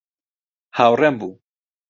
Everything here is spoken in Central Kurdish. هاوڕێم بوو.